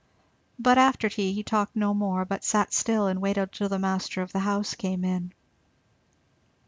But after tea he talked no more but sat still and waited till the master of the house came in.